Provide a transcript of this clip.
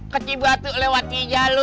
kecibatuk lewat hijab